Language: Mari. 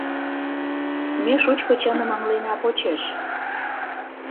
Ме шучко чыным ыҥлена почеш.